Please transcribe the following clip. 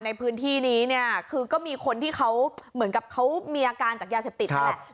ในพื้นที่นี้เนี่ยคือก็มีคนที่เขาเหมือนกับเขามีอาการจากยาเสพติดนั่นแหละ